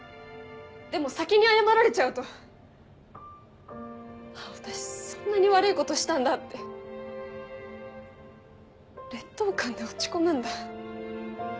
でも先に謝られちゃうと私そんなに悪いことしたんだって劣等感で落ち込むんだ。